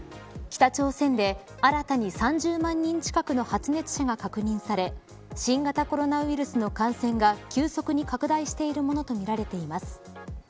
北朝鮮で新たに３０万人近くの発熱者が確認され新型コロナウイルスの感染が急速に拡大しているものとみられています。